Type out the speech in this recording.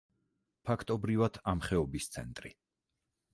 ფაქტობრივად, ამ ხეობის ცენტრი.